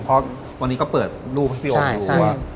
เพราะวันนี้ก็เปิดรูปให้พี่โอ๊คดูว่า